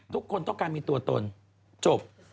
ทุกคนต้องการมีตัวตนจบ